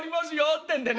ってんでね